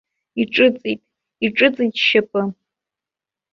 Иҿыҵит, иҿыҵит сшьапы.